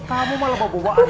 kamu malah bawa buah buahan